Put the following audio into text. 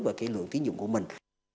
và kỹ lượng ký dụng của mình